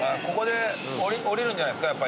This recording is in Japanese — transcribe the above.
ここで降りるんじゃないですか。